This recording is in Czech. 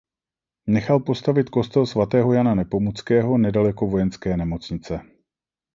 Nechal postavit kostel svatého Jana Nepomuckého nedaleko vojenské nemocnice.